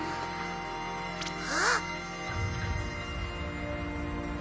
あっ！